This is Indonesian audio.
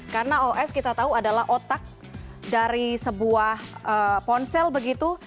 karena os kita tahu adalah otak dari sebuah ponsel begitu